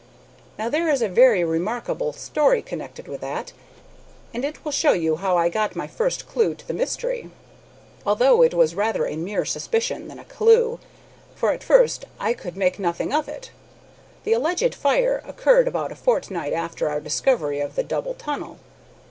Now there is a very remarkable story connected with that, and it will show you how I got my first clew to the mystery, although it was rather a mere suspicion than a clew, for at first I could make nothing out of it. The alleged fire occurred about a fortnight after our discovery of the double tunnel.